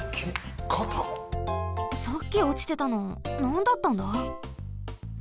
さっきおちてたのなんだったんだ？